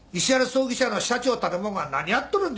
葬儀社の社長たる者が何やっとるんですか？